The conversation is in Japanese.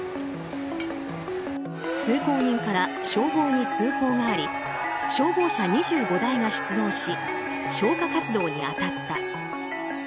通行人から消防に通報があり消防車２５台が出動し消火活動に当たった。